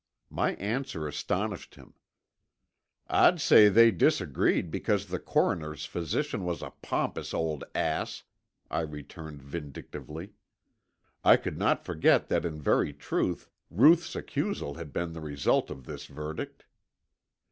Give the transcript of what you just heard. My answer astonished him. "I'd say they disagreed because the coroner's physician was a pompous old ass," I returned vindictively. I could not forget that in very truth Ruth's accusal had been the result of this verdict.